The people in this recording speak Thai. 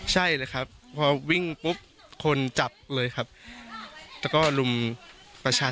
ใช่เลยครับพอวิ่งปุ๊บคนจับเลยครับแล้วก็ลุมประชา